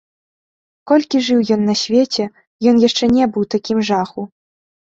Колькі жыў ён на свеце, ён яшчэ не быў у такім жаху.